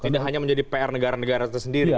tidak hanya menjadi pr negara negara tersendiri